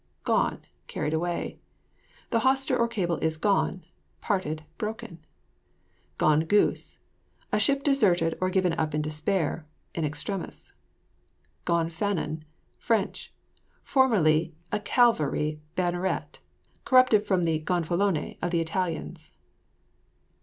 GONE. Carried away. "The hawser or cable is gone;" parted, broken. GONE GOOSE. A ship deserted or given up in despair (in extremis). GONFANON [Fr.] Formerly a cavalry banneret; corrupted from the gonfalone of the Italians.